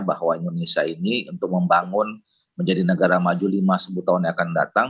bahwa indonesia ini untuk membangun menjadi negara maju lima sepuluh tahun yang akan datang